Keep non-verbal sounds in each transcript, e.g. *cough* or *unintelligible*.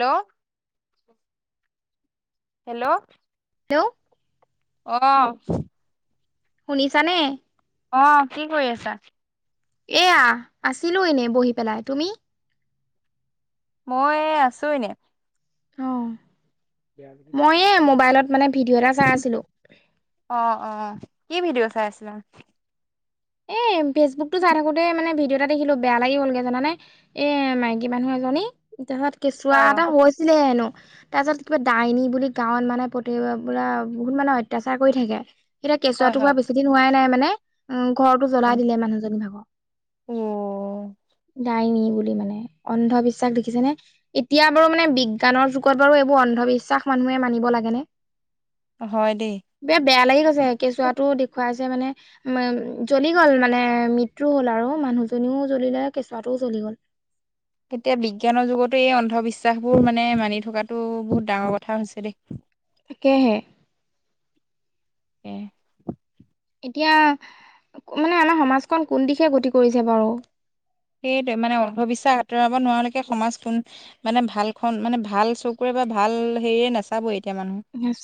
Hello hello? Hello? অহ শুনিছানে? অ', কি কৰি আছা? এয়া আছিলো এনে বহি পেলাই তুমি? মই আছোঁ এনে। অ', মই এই মোবাইলত মানে ভিডিঅ' এটা চাই আছিলো। অ', অ', কি ভিডিঅ' চাই আছিলা? এই ফেচবুকতটো চাই থাকোঁতে মানে ভিডিঅ' এটা দেখিলো বেয়া লাগি গ'লগে জানানে এ মাইকী মানুহ এজনী তাৰ পিছত কেঁচুৱা হয় অ এটা হৈ হৈছিলেহে হেনো। তাৰ পিছত কিবা ডাইনী বুলি গাঁৱত মানে প্ৰতি বাৰ মানে বহুত মানুহ অত্যাচাৰ কৰি থাকে। এতিয়া কেঁচুৱা হয় টো হোৱা হয় বেছি দিন হোৱাই নাই মানে উম, ঘৰতো জ্বলাই দিলে মানুহজনী ভাগৰ। অ ডাইনী বুলি মানে অন্ধবিশ্বাস দেখিছেনে। এতিয়া বাৰু মানে বিজ্ঞানৰ যুগত বাৰু এইবোৰ অন্ধবিশ্বাস মানুহে মানিব লাগে নে। হয় দেই। বেয়া লাগি গৈছে কেঁচুৱাটো দেখুৱাইছে মানে উম জ্বলি গ'ল মানে মৃত্যু হ'ল আৰু মানুহজনীও জ্বলিলে কেঁচুৱাটোও জ্বলি গ'ল। তেতিয়া বিজ্ঞানৰ যুগতো এই অন্ধবিশ্বাসবোৰ মানে মানি থকাতটো বহুত ডাঙৰ কথা হৈছে দেই। তাকেহে। *inaudible* এতিয়া মানে আমাৰ সমাজখন কোন দিশে গতি কৰিছে বাৰু। সেইটোৱে মানে অন্ধবিশ্বাস আঁতৰাব নোৱাৰালৈকে সমাজ কোন মানে ভাল খন মানে ভাল চকুৰে বা ভাল হেৰিয়ে নেচা বই এতিয়া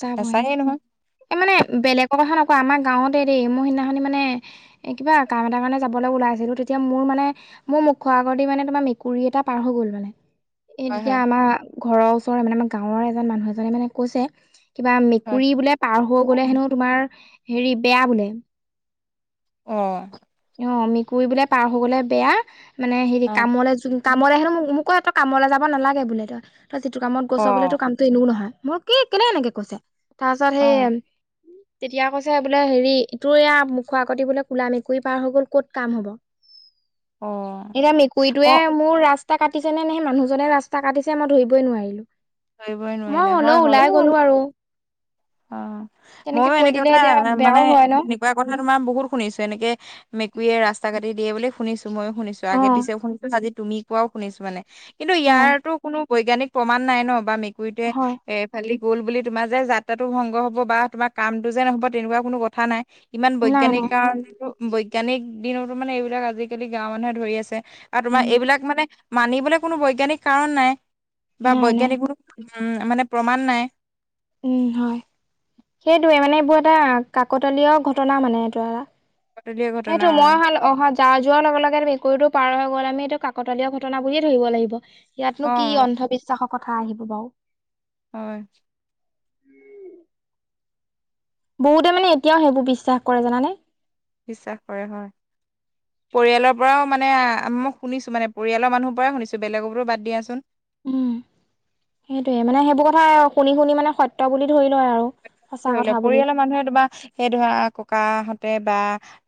চাব হে নাচায়ে নহয়। এই মানে বেলেগৰ কথা নকওঁ আমাৰ গাঁৱতে এই দেই মোৰ সেইদিনাখনি মানে এই কিবা কাম এটা কাৰণে যাবলৈ ওলাই আছিলোঁ তেতিয়া মোৰ মানে মোৰ মুখৰ আগদি মানে তোমাৰ মেকুৰী এটা পাৰ হৈ গ'ল মানে এই হয় তেতিয়া হয় আমাৰ ঘৰৰ ওচৰৰে মানে আমাৰ গাঁৱৰ এজন মানুহ এজনে মানে কৈছে কিবা হয় মেকুৰী বোলে পাৰ হব গ'লে হেনো তোমাৰ হেৰি বেয়া বোলে। অ'। অ', মেকুৰী বোলে পাৰ হৈ গলে বেয়া মানে হেৰি অ কামলে যোন কামলৈ হেনো মোক কৈছে কামলৈ যাব নালাগে বোলে তই তই যিটো কামত অ গৈছ বোলে তোৰ কাম টো এনেও নহয় মই কি কেলে এনেকে কৈছে তাৰ পিছত অ সেই তেতিয়া কৈছে বোলে হেৰি তোৰ এয়া মুখৰ আগে দি বোলে ক'লা মেকুৰী পাৰ হৈ গ'ল ক'ত কাম হব। *inaudible* এতিয়া মেকুৰীটোৱে অ মোৰ ৰাস্ত ৰাস্তা কাটিছে নে নে সেই মানুহজনে ৰাস্তা কাটিছে মই ধৰিবই নোৱাৰিলো ধৰিবই মই নোৱাৰিলে হ'লেও হয় হয় ওলাই *inaudible* অ', তেনেকে মইো কৈ এনেকে দিলে কথা এতিয়া বেয়াও মানে হয় ন কথা তোমাৰ বহুত শুনিছোঁ এনেকে মেকুৰীয়ে ৰাস্তা কাটি দিয়ে বুলি শুনিছোঁ ময়ো শুনিছোঁ অ আগে পিছে শুনিছোঁ আজি তুমি কোৱাও শুনিছোঁ মানে কিন্তু অ ইয়াৰতো কোনো বৈজ্ঞানিক প্ৰমাণ নাই ন বা মেকুৰীটোৱে হয় এফালি গ'ল বুলি তোমাৰ যে যা ভংগ হব বা তোমাৰ কামটো যে নহ'ব তেনেকুৱা কোনো কথা নাই ইমান নাই বৈজ্ঞানিক নাই কাৰণ বৈজ্ঞানিক দিনতো মানে এইবিলাক আজিকালি গাঁৱৰ মানুহে ধৰি আছে আৰু তোমাৰ উম এইবিলাক মানে মানিবলৈ কোনো বৈজ্ঞানিক কাৰণ নাই বা নাই নাই বৈজ্ঞানিক কোনো মানে প্ৰমাণ নাই উম হয় সেইটোৱে মানে এইবোৰ এটা কাকতলীয় ঘটনা মানে এইটো এটা পাতলীয়া ঘটনা সেইটো মই হালো অহ যা যোৱাৰ লগে লগে মেকুৰীটো পাৰ হৈ গ'ল আমি এইটো কাকতলীয়া ঘটনা বুলিয়ে ধৰিব লাগিব। অ', ইয়াতনো কি অ', অন্ধবিশ্বাসৰ কথা আহিব বাৰু। হয়। বহুতে মানে এতিয়াও সেইবোৰ বিশ্বাস কৰে জানানে। বিশ্বাস কৰে হয়। পৰিয়ালৰ পৰাও মানে মই শুনিছোঁ মানে পৰিয়ালৰ মানুহৰ পৰা শুনিছোঁ বেলেগৰ পৰা বাদ দিয়াচোন। উম, সেইটোয়ে মানে সেইবোৰ কথা শুনি, শুনি মানে সত্য বুলি ধৰি লয় আৰু সঁচা ধৰি ল কথা বুলি পৰিয়ালৰ মানুহে তোমাৰ সেই ধৰা ককাহঁতে বা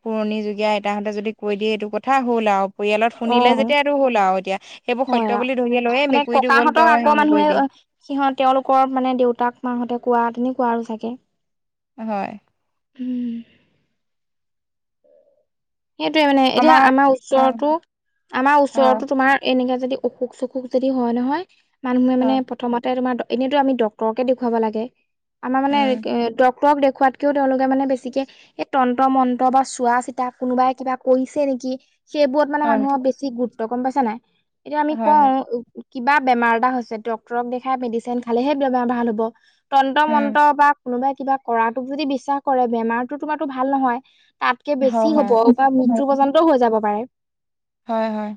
পুৰণি যুগীয়া আইতাহঁতে যদি কৈ দিয়ে এইটো কথা হ'ল আৰু পৰিয়ালত অ শুনিলে যেতিয়া আৰুটো হ'ল আৰু এতিয়া সেইবোৰ হয় সত্য আৰু বুলি ধৰিয়ে লৈয়ে মানে মেকুৰীটো গ'ল ককাহঁতক তই আগৰ হেৰি মানুহে নকৰিবি সিহঁত তেওঁলোকৰ মানে দেউতাক মাহঁতে কোৱা তেনেক কুৱা আৰু চাগে হয়। উম। সেইটোৱে মানে এতিয়া আমাৰ ওচৰতো আমাৰ ওচৰতো হয়, তোমাৰ এনেকুৱা যদি অসুখ চসুখ যদি হয় নহয় মানুহে মানে হয়, প্ৰথমতে তোমাৰ এনেটো আমি ডক্টৰকে দেখুওব লাগে আমাৰ মানে উম, ক্তক দেখুৱাতকৈও তেওঁলোকে মানে বেছিকৈ এই তন্ত্ৰ মন্ত্ৰ বা চোৱা চিতা কোনোবাই কিবা কৰিছে নেকি সেইবোৰত মানে হয়, মানুহক বেছি গুৰুত্ব কম পাইছে নাই। এতিয়া আমি হয়, হয়, কওঁ কিবা বেমাৰ এটা হৈছে ডক্তৰক দেখাই মেডিচিন খালেহেই বেমাৰ ভাল হ'ব। তন্ত উম, মন্ত্ৰ বা কোনোবাই কিবা কৰাতোক যদি বিশ্বাস কৰে বেমাৰতো তোমাৰো ভাল নহয়। তাতকে বেছি হয়, হ'ব হয়, বা মৃত্যু পৰ্যন্তও হৈ যাব পাৰে। হয়, হয়।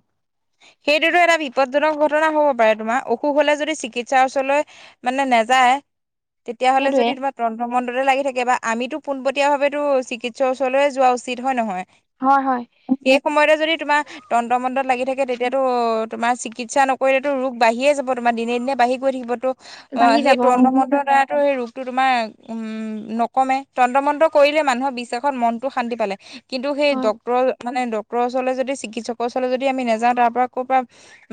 সেইটোতো এটা বিপদজনক ঘটনা হ'ব পাৰে তোমাৰ অসুখ হলে যদি চিকিৎসাৰ ওচৰলৈ মানে নেযায় তেতিয়াহ'লে সেইটোয়ে যদি তোমাৰ তন্ত্ৰ মন্ত্ৰ লাগি থাকে বা আমিতো পোনপটীয়া ভাৱে চিকিৎসাৰ ওচৰলৈয় যোৱা উচিত হয় নহয়। হয়, হয়। সেই সময়তে যদি তোমাৰ তন্ত্ৰ মন্ত্ৰত লাগি থাকে তেতিয়া তোমাৰ চিকিৎসা নকৰিলেতো ৰোগ বাঢ়িয়ে যাব তোমাৰ দিনে দিনে বাঢ়ি থাকিবতো অ', বাঢ়ি সেই যাব তন্ত্ৰ মন্ত্ৰ দ্বাৰাতো সেই ৰুগ টো তোমাৰ উম নকমে তন্ত্ৰ মন্ত্ৰ কৰিলে মানুহৰ বিশ্বাসত মনটো শান্তি পালে কিন্তু সেই হয় ডক্টৰ মানে ডক্টৰ ওচৰলৈ যদি চিকিৎসকৰ ওচৰাললৈ যদি আমি নাযাওঁ তাৰ পৰা কৰ পৰা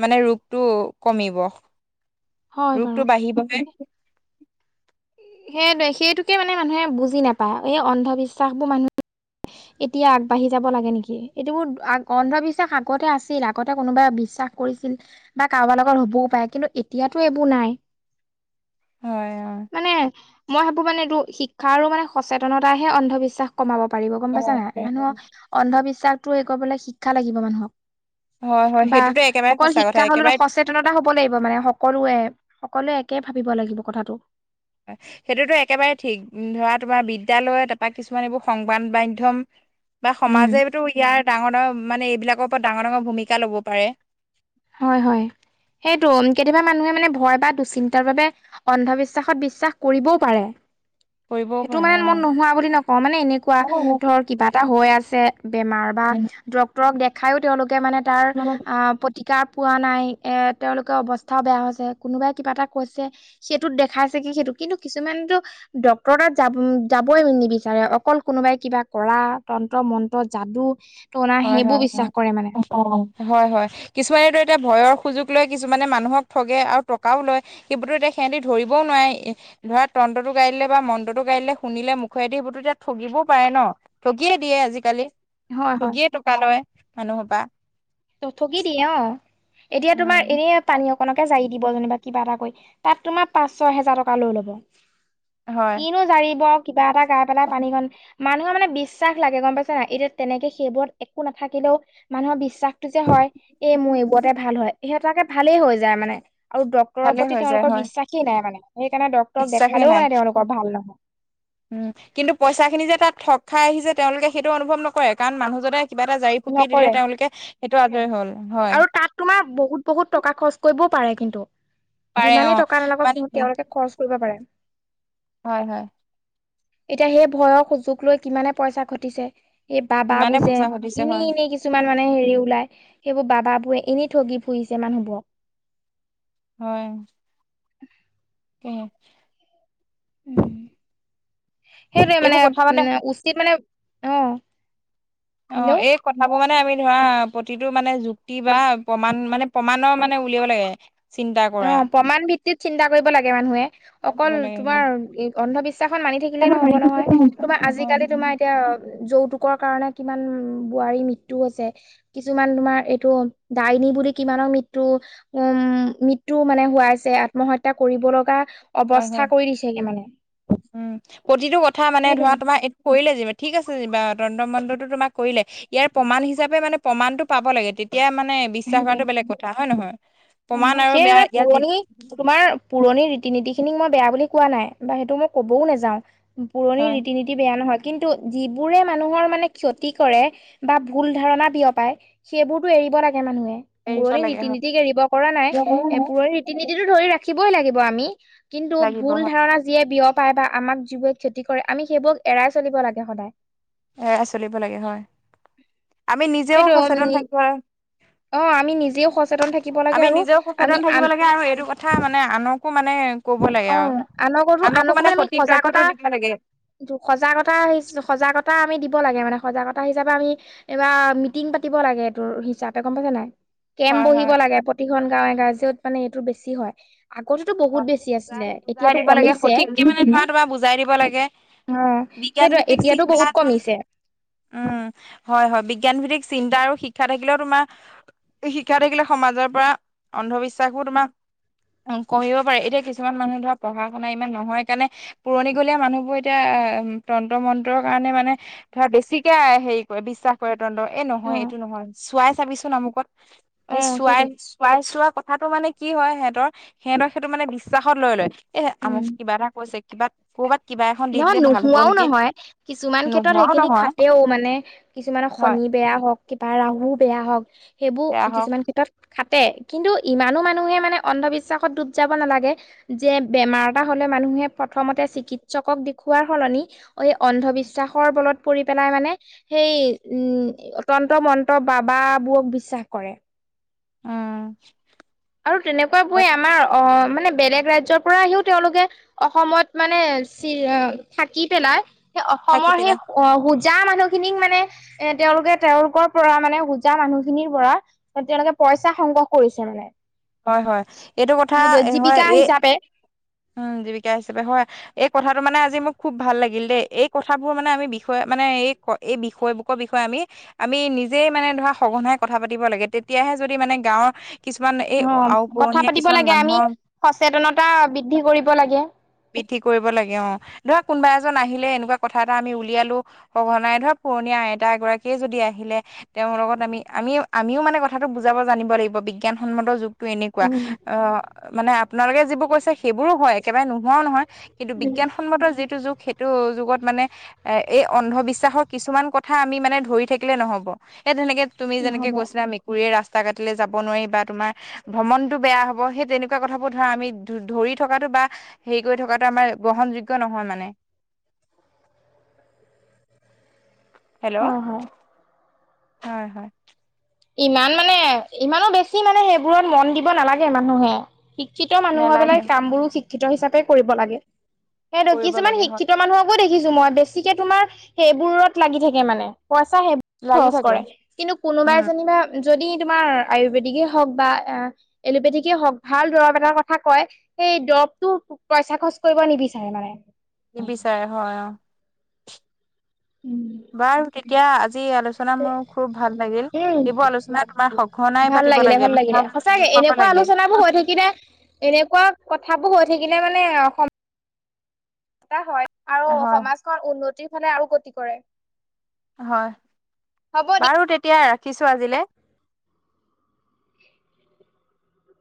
মানে ৰোগটো কমিব। হয় বাৰু ৰোগটো বাঢ়িবহে। সেই সেইটোকে মানে মানুহে বুজি নাপায় এই অন্ধবিশ্বাস বোৰ মানুহ এতিয়া আগবাঢ়ি যাব লাগে নেকি এইটোবোৰ অন্ধবিশ্বাস আগতে আছিল আগতে কোনোবাই বিশ্বাস কৰিছিল বা কাৰোবাৰ লগত হ'বও পাৰে, কিন্তু এতিয়াতো এইবোৰ নাই। হয় মানে মই ভাবো মানে শিক্ষা আৰু মানে সচেতনতাইাহে অন্ধবিশ্বাস কমাব পাৰিব গম পাইছা নাই হয় মানুহ অন্ধবিশ্বাসটো এই কৰিবলৈ শিক্ষা লাগিব মানুহক। হয় হয় বা সেইটোতো একেবাৰে অকল সঁচা কথা শিক্ষা হ'লে একেবাৰে সচেত তনতা হব লাগিব মানে সকলোৱে সকলোৱে একে ভাবিব লাগিব কথাটো। সেইটোতো একেবাৰে ঠিক ধৰা তোমাৰ বিদ্যালয় তাৰপৰা কিছুমান এইবোৰ সংবাদ মাধ্যম বা উম সমাজেেতো ইয়াৰ ডাঙৰ ডাঙৰ মানে এইবিলাকৰ ওপৰত ডাঙৰ ডাঙৰ ভূমিকা লব পাৰে হয় হয় সেইটো কেতিয়াবা মানুহে মানে ভয় বা দুচিন্তাৰ বাবে অন্ধবিশ্বাসত বিশ্বাস কৰিবও পাৰে কৰিবও সেইটো পাৰে মানে মন নোহোৱা বুলি নকওঁ মানে এনেকুৱা অ ধৰ কিবা এটা হৈ আছে বেমাৰ বা ড্ক্তৰক দেখাইো তেওঁলোকে মানে তাৰ টীিকা পোৱা নাই তেওঁলোকৰ অৱস্থাও বেয়া হৈছে কোনোবাই কিবা এটা কৈছে সেইটোত দেখাইছে কি সেইটো কিন্তু কিছুমানতো ডক্তৰ তাত যাব যাবই নিবিচাৰে অকল কোনোবাই কিবা কৰা তন্ত্ৰ মন্ত যাদু টনা হয় সেইবোৰ হয় বিশ্বাস কৰে মানে অ হয় হয় কিছুমানেতো এতিয়া ভয়ৰ সুযোগ লৈ কিছুমানে মানুহক ঠগে আৰু টকাও লয় সেইিবোৰতো এতিয়া সিহঁতি ধৰিবও নোৱাৰে ধৰা তন্তটো গাইড়িলে বা মন্ত্ৰটো গাইড়িলে শুনিলে মুখুৱৰাাই থ আহিবতো তেতিয়া ঠগিবও পাৰে ন গিয়ে দিয়ে আজিকালি হয় হয় গিয়ে টকা লয় মানুহৰ পৰা তথকি দিয়ে অ এতিয়া তোমাৰ উম এনে পটানী অকনকে জাৰি দিব যেনিবা কিবা এটা কৰি তাত তোমাৰ পাঁচ ছয় হেজাৰ টকা লৈ ল'ব হয় কিনো জাৰিব কিবা এটা গাই পেলাই পানী কন মানুহৰ মানে বিশ্বাস লাগে গম পাইছে নাই এতিয়া তেনেকে সেইবোৰত একো নাথাকিলেও মানুহৰ বিশ্বাস যে হয় এই মোৰ এইবোৰতে ভাল হয় সহঁতাকে ভালেই হৈ যায় মানে আৰু ড্টৰৰ ভালে প্ৰতি হৈ যায় তেওঁলোকৰ হয় বিশ্বাসেই নাই মানে সেইকাৰণে ডক্তৰক বিশ্বাসে দেখালেও নাই মানে তেওঁলোকৰ ভাল নহয় উম কিন্তু পইচা খিনি যে তাত ঠগ খাই আহিছে তেওঁলোকে সেইটো অনুভৱ নকৰে কাৰণ মানুহজনে কিবা এটা জাৰি ফুকি নকৰে দিলে তেওঁলোকে সেইটো আদৰি হল হয় আৰু তাত তোমাৰ বহুত বহুত টকা খৰচ কৰিবও পাৰে কিন্তু পাৰে অ যিমানেই টকা নালাগক মানে কিন্তু তেওঁলোকে খৰচ কৰিব পাৰে হয় হয় এতিয়া সেই ভয়ৰ সুযোগ লৈ কিমানে পইচা ঘটিছে এই বাবা ইমানে বুজে পইচা ঘটিছে এনেই হয় এনেই কিছুমান মানে হেৰি ওলায় সেইবোৰ বাবাবোৰে এনে ঠগি ফুৰিছে মানুহবোৰক হয় উম, ক সেইটোৱে মানে উ উচিত মানে অ অ হেল্ল' এক কথাবোৰ মানে আমি ধৰা প্ৰতিটো মানে যুক্তি বা প্ৰমাণ মানে প্ৰমাণৰ মানে উলিয়াব লাগে চিন্তা কৰা অ প্ৰমাণ ভিত্তিত চিন্তা কৰিব লাগে মানুহে কৰিব অকল লাগে হয় তোমাৰ অন্ধবিশ্বাসখন মানি থাকিলে নহব নহয় তোমাৰ আজিকালি তোমাৰ এতিয়া যৌতুকৰ কাৰণে কিমান বোৱাৰী মৃত্যয়ু হৈছে কিছুমান তোমাৰ এইটো দাইন বুলি কিমানৰ মৃত্ু উম ম টো মানে হুৱাইছে আত্মহত্যা কৰিব লগা হয় অৱস্থা হয় কৰি দিছেগে মানে উম প্ৰতিটো কথা মানে সেইটোৱে ধৰা তোমাৰ কৰিলে যিবা ঠিক আছে যিবা তণ্ন্দ্ৰ মণ্ডতো তোমাক কৰিলে ইয়াৰ প্ৰমাণ হিচাপে মানে প্ৰমাণটো পাব লাগে তেতিয়া মানে বিশ্বাস সেইটোৱে হটো বেলেগ কথা হয় নহয় প্ৰমাণ আৰু সেই বেয়া মানে ইয়াতি পুৰণি তোমাৰ পুৰণি ৰীতি নীতি খিনিক মই বেয়া বুলি কোৱা নাই বা সেইটো মই ক'বও নাযাও পুৰণি হয় ৰীতি নীতি অ' বেয়া নহয় কিন্তু যিবোৰে মানুহৰ মানে ক্ষতি কৰে বা ভুল ধাৰণা বিয়পায় সেইবোৰতো এৰিব লাগে। মানুহে এৰিব পুৰণি লাগে ৰীতি হয় নীতিক এৰিব কৰা নাই এ পুৰণি ৰীতি নীতিতটো ধৰি ৰাখ ৰাখিবই লাগিব আমি কিন্তু লাগিব ভুল হয় ধাৰণা যিয়ে বিয়পায় বা আমাক যিবোৰে খেয়তি কৰে আমি সেইবোৰক এৰাই চলিব লাগে সদায়। এৰাই চলিব লাগে হয়। আমি নিজেও সেইটো উম, সচেতন নি- থাকিব। অ' আমি নিজেও সচেতন থাকিব লাগে আমি আৰু নিজেও আমি সচেতন থাকিব আন লাগে আৰু এইটো কথা মানে আনকো মানে ক'ব লাগে আৰু আনকো মানে সঠিক তথ্যতো দিব লাগে। সজাগতা, সজাগতা আমি দিব লাগে মানে সজাগতা হিচাপে আমি এইবাৰ মিটিং পাতিব লাগে, এইটোৰ হিচাপে গম পাইছ নে নাই! কেম্প হয় বহিব হয় লাগে প্ৰতিখন গাঁৱে, গাঁৱে কিয় মানে এইটো বেছি হয়, আগতেতো হয় বহুত বেছি আছি *unintelligible* দিব লাগে, সঠিকে মানে তোমাৰ বুজাই দিব লাগে। অ সেইটোৱে বিজ্ঞানভিত্তিক এতিয়াতো চিন্তা বহুত কমিছে উম, হয়, হয়, বিজ্ঞানভিত্তিক চিন্তা আৰু শিক্ষা থাকিলেও তোমাৰ শিক্ষা থাকিলে সমাজৰ পৰা অন্ধবিশ্বাসবোৰ তোমাৰ কৰিব পাৰে এতিয়া কিছুমান মানুহ ধৰা পঢ়া শুনা ইমান নহয় কাৰণে পুৰণিকলীয়া মানুহবোৰ এতিয়া আহ, তন্ত্ৰ মন্ত্ৰৰ কাৰণে মানে ধৰা বেছিকে হেৰি কৰে বিশ্বাস কৰে তন্ত এই অ নহয় এইটো নহয় চোৱাই চাবিচোন আমুকত অ সেইটোৱে চোৱাই, চোৱাই চোৱা কথাটো মানে কি হয় সেহঁতৰ সেহঁতৰ সেইটো মানে বিশ্বাসত লৈ লয় এহ, উম আমুকে কিবা এটা কৈছে কিবা কৰ'বাত কিবা এখন দি নহয় দিলে ভাল হ'ব নোহোৱাও নেকি নহয়, কিছুমান ক্ষেত্ৰত নোহোৱাও সেইখিনি নহয় খাতেও মানে। কিছুমানৰ হয় শনি বেয়া হওঁক, কিবা ৰাহু বেয়া হওঁক বেয়া সেইবোৰ হওক কিছুমান ক্ষেত্ৰত খাটে, কিন্তু ইমানো মানুহে মানে অন্ধবিশ্বাসত ডুব যাব নালাগে। যে বেমাৰ এটা হ'লে মানুহে প্ৰথমতে চিকিৎ সকক দেখুওৱাৰ সলনি এই অন্ধবিশ্বাসৰ বলত পৰি পেলাই মানে সেই উম, তন্ত মন্ত বাবাবোৰক বিশ্বাস কৰে। অ'। আৰু তেনেকুৱাবোৰে আমাৰ অ', মানে বেলেগ ৰাজ্যৰ পৰা আহিওঁ তেওঁলোকে অসমত মানে চি থাকি পেলাই থাকি অসমৰ সেই পেলাই অ', হোজা মানুহখিনিক মানে এ, তেওঁলোকে, তেওঁলোকৰ পৰা মানে হোজা মানুহখিনিৰ পৰা তেওঁলোকে পইচা সংগ্ৰহ কৰিছে মানে। হয়, হয়, এইটো কথা সেইটোৱে হয়, জীৱিকা এই হিচাপে উম, জীৱিকা হিচাপে হয়। এই কথাটো মানে আজি মোৰ খুব ভাল লাগিল দেই, এই কথাবোৰ মানে আমি বিষয়ে মানে এই এই বিষয়বোকৰ বিষয়ে আমি আমি নিজে মানে ধৰা সঘনাই কথা পাতিব লাগে, তেতিয়াহে যদি মানে গাঁৱৰ কিছুমান অ কথা আওঁপুৰণিয়া পাতিব কিছুমান লাগে আমি মানুহৰ সচেতনতা বৃদ্ধি কৰিব লাগে। বৃদ্ধি কৰিব লাগে অ', ধৰা কোনোবা এজন আহিলে এনেকুৱা কথা এটা আমি উলিয়ালোঁ। সঘনাই ধৰা পুৰনিয়া আইতা এগৰাকীয়ে যদি আহিলে তেওঁৰ লগত আমি-আমি-আমিও মানে কথাটো বুজাব জানিব লাগিব বিজ্ঞানসন্মত যুগ টো এনেকুৱা উম অ', মানে আপোনালোকে যিবোৰ কৈছে সেইবোৰো হয়, একেবাৰে নোহোৱাও নহয় কিন্তু বিজ্ঞানসন্মত যিটো যুগ সেইটো যুগত মানে এ, এই অন্ধবিশ্বাসৰ কিছুমান কথা আমি মানে ধৰি থাকিলে নহ'ব এ, তেনেকে তুমি যেনেকে নহ'ব কৈছিলা মেকুৰীয়ে ৰাস্তা কাটিলে যাব নোৱাৰি বা তোমাৰ ভ্ৰমণতটো বেয়া হ'ব, সেই তেনেকুৱা কথাবোৰ ধৰা আমি ধৰি থকাটো বা হেৰি কৰি থকাটো আমাৰ গ্ৰহণযোগ্য নহয় মানে। হেল্ল'! হয় হয় হয়, হয়। ইমান মানে ইমানো বেছি মানে সেইবোৰত মন দিব নালাগে মানুহে। শিক্ষিত মানুহ হৈ নেলাগে পেলাই হয় কামবোৰো শিক্ষিত হিচাপে কৰিব লাগে। সেইটো কৰিব কিছুমান লাগে হয় শিক্ষিত মানুহক কো দেখিছোঁ মই বেছিকে তোমাৰ সেইবোৰত লাগি থাকে মানে পইচা সেইবো লাগি খৰচ থাকে কৰে কিন্তু কোনোবাই উম যেনিবা যদি তোমাৰ আয়ুৰ্বেদিকেই হওঁক বা এ এলপেটিক হওঁক ভাল দৰৱ এটাৰ কথা কয় সেই দৰৱটো পইচা খৰচ কৰিব নিবিচাৰে মানে। নিবিচাৰে হয়, অ'। উম। বাৰু তেতিয়া আজি আলোচনা আচনা মোৰ খুব ভাল লাগিল, এইবোৰ আলোচনাত তোমাৰ সঘনাই পাতিব লাগে মানুহৰ মাজত চাগে বিয়পাব এনেকুৱা লাগে আলোচনাবোৰ হৈ থাকিলে, এনেকুৱা কথাবোৰ হৈ থাকিলে মানে অসম এ হয় আৰু হয় সমাজখন উন্নতিৰ ফালে আৰু গতি কৰে। হয়, হ'ব দিয়া বাৰু তেতিয়া ৰাখিছো আজিলৈ।